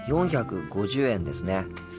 ４５０円ですね。